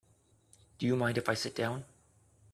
Do you mind if I sit down?